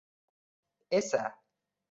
esa